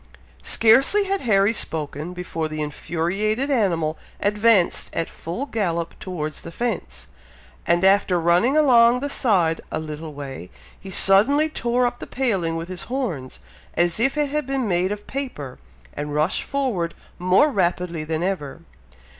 Scarcely had Harry spoken, before the infuriated animal advanced at full gallop towards the fence, and after running along the side a little way, he suddenly tore up the paling with his horns, as if it had been made of paper, and rushed forward more rapidly than ever.